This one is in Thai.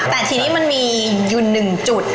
แต่ทีนี้มันมีอยู่๑จุด